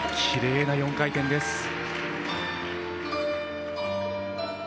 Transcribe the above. きれいな４回転です。